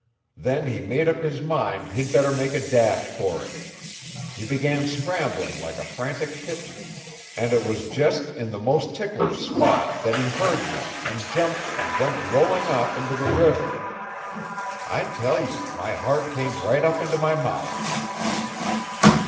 Then he made up his mind he'd better make a dash for it. He began scrambling like a frantic kitten, and it was just in the most ticklish spot that he heard me and jumped and went rolling off into the river. I tell you, my heart came right up into my mouth."